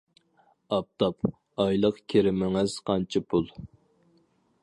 ئاپتاپ : ئايلىق كىرىمىڭىز قانچە پۇل!